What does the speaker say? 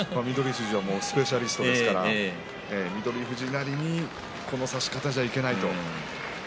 富士はスペシャリストですから翠富士なりにこの差し方では、いけないと。